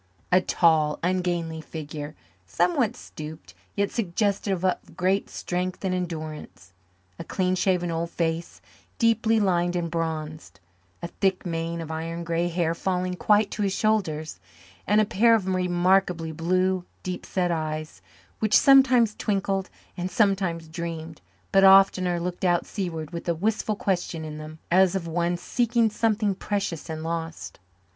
A tall, ungainly figure, somewhat stooped, yet suggestive of great strength and endurance; a clean shaven old face deeply lined and bronzed; a thick mane of iron grey hair falling quite to his shoulders; and a pair of remarkably blue, deep set eyes, which sometimes twinkled and sometimes dreamed, but oftener looked out seaward with a wistful question in them, as of one seeking something precious and lost.